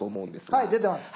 はい出てます。